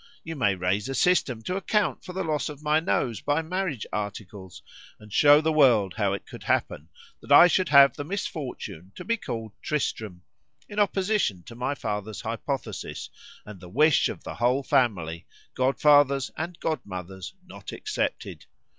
—You may raise a system to account for the loss of my nose by marriage articles,—and shew the world how it could happen, that I should have the misfortune to be called TRISTRAM, in opposition to my father's hypothesis, and the wish of the whole family, Godfathers and Godmothers not excepted.